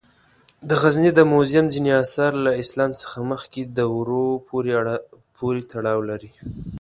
د غزني د موزیم ځینې آثار له اسلام څخه مخکې دورو پورې تړاو لري.